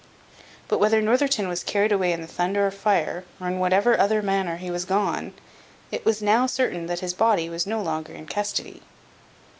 But whether Northerton was carried away in thunder or fire, or in whatever other manner he was gone, it was now certain that his body was no longer in custody.